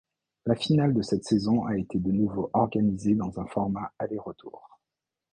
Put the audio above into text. La finale de cette saison a été de nouveau organisée dans un format aller-retour.